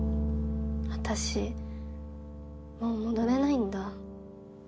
私もう戻れないんだ。